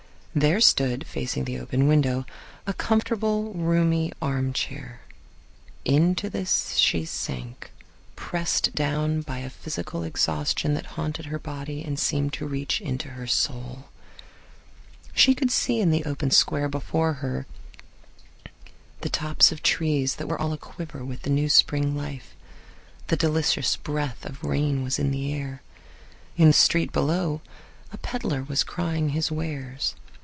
There stood, facing the open window, a comfortable, roomy armchair. Into this she sank, pressed down by a physical exhaustion that haunted her body and seemed to reach into her soul. She could see in the open square before her house the tops of trees that were all aquiver with the new spring life. The delicious breath of rain was in the air. In the street below a peddler was crying his wares.